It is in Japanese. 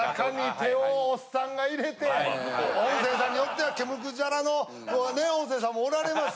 音声さんによっては。の音声さんもおられます。